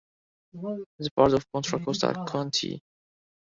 It is part of Contra Costa County.